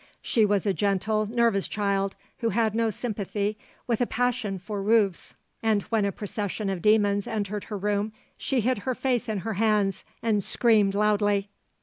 She was a gentle, nervous child, who had no sympathy with a passion for roofs, and when a procession of demons entered her room she hid her face in her hands and screamed loudly.